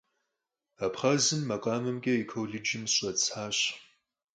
Абхъазым макъамэмкӀэ и колледжым сыщӀэтӀысхьащ.